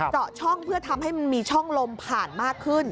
เจาะช่องเพื่อทำให้มันมีช่องลมผ่านมากขึ้น